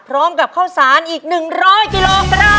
พร้อมกับข้าวสารอีกหนึ่งร้อยกิโลกรัม